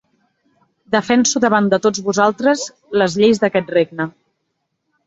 Defenso davant de tots vosaltres les lleis d'aquest regne.